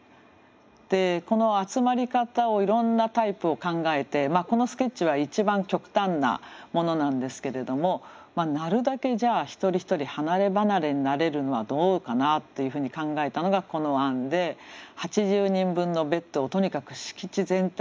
でこの集まり方をいろんなタイプを考えてこのスケッチは一番極端なものなんですけれどもなるだけ一人一人離れ離れになれるのはどうかなっていうふうに考えたのがこの案で８０人分のベッドをとにかく敷地全体に均等にちりばめたんですね。